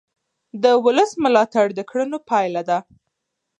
د ولس ملاتړ د کړنو پایله ده